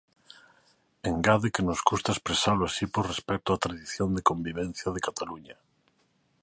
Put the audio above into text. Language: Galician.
Engade que nos custa expresalo así por respecto á tradición de convivencia de Cataluña.